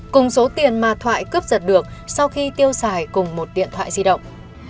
cùng số tiền mà thoại cướp giật được sau khi tiêu xài cùng một điện thoại di động